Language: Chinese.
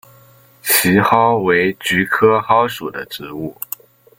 奇蒿为菊科蒿属的植物。